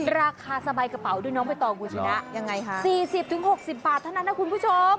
ราคาสบายกระเป๋าด้วยน้องเว้ยต่อกูชนะ๔๐๖๐บาทเท่านั้นนะคุณผู้ชม